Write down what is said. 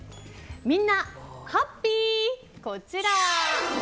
みんなハッピー！、こちら。